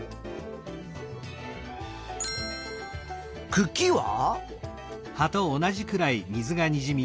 くきは？